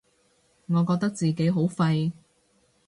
我覺得自己好廢